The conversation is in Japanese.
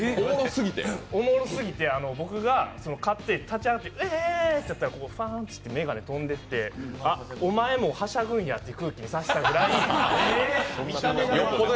おもろすぎて、僕が勝手に立ち上がってうぇーいってやったらここ、ファンッて眼鏡が飛んでいってあ、お前もはしゃぐんやという空気にさせたぐらい。